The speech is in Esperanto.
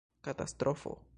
katastrofo